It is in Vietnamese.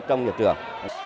trong nhà trường